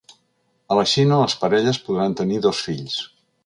A la Xina les parelles podran tenir dos fills.